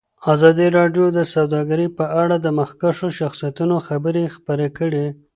ازادي راډیو د سوداګري په اړه د مخکښو شخصیتونو خبرې خپرې کړي.